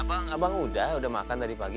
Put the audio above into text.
abang udah makan tadi pagi